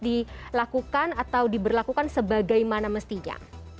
dilakukan atau diberlakukan sebagaimana mestinya